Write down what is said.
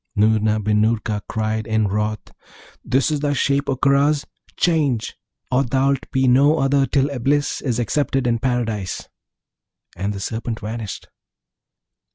Noorna bin Noorka cried in wrath, 'This is thy shape, O Karaz; change! or thou'lt be no other till Eblis is accepted in Paradise.' And the Serpent vanished.